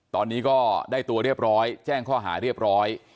ตอนนี้ก็ได้ตัวเรียบร้อยแจ้งข้อหาเรียบร้อย